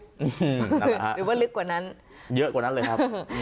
หรือว่าลึกกว่านั้นเยอะกว่านั้นเลยครับ